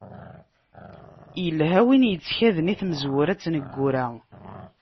Ilha win yettkaden i tmezwura d tneggura.